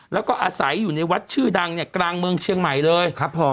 แล้วก็อาศัยอยู่ในวัดชื่อดังกลางเมืองเชียงใหม่เลย